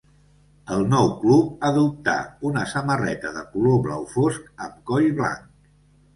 El nou club adoptà una samarreta de color blau fosc amb coll blanc.